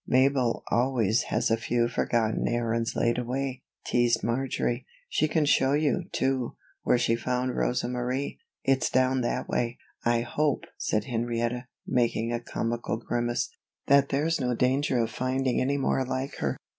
"Mabel always has a few forgotten errands laid away," teased Marjory. "She can show you, too, where she found Rosa Marie it's down that way." "I hope," said Henrietta, making a comical grimace, "that there's no danger of finding any more like her.